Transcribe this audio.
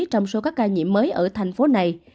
trong số các ca nhiễm mới ở thành phố này